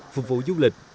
phục vụ du lịch